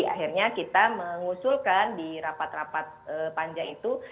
akhirnya kita mengusulkan di rapat rapat panja itu